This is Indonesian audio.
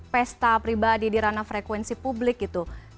pesta pribadi di ranah frekuensi publik gitu